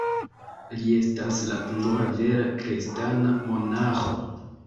Li estas la unua vera kristana monaĥo.